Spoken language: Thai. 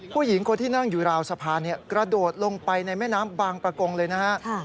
ผู้หญิงคนที่นั่งอยู่ราวสะพานกระโดดลงไปในแม่น้ำบางประกงเลยนะฮะ